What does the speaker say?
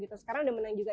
sekarang udah menang juga